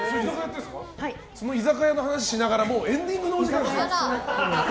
その居酒屋の話しながらもうエンディングのお時間です。